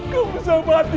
kamu bisa mati besari